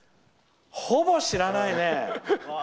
ほぼ知らないね。